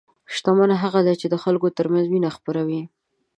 شتمن هغه دی چې د خلکو ترمنځ مینه خپروي.